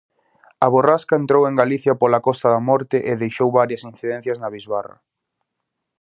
A borrasca entrou en Galicia pola Costa da Morte e deixou varias incidencias na bisbarra.